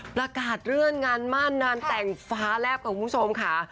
ประกาศเลื่อนงานมั่นงานแต่งฟ้าแลบกับคุณผู้ชมค่ะ